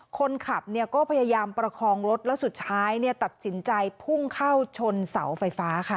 คนขับก็พยายามประคองรถแล้วสุดท้ายตัดสินใจพุ่งเข้าชนเสาไฟฟ้าค่ะ